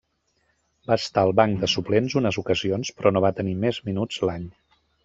Va estar al banc de suplents unes ocasions però no va tenir més minuts l'any.